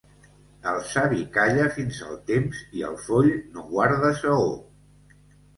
El savi calla fins al temps i el foll no guarda saó.